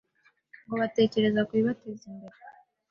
ngo batekereze ku bibateza imbere.